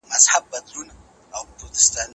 حکومتي قراردادونه څنګه څېړل کېږي؟